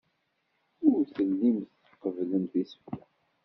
Ur tellimt tqebblemt isefka.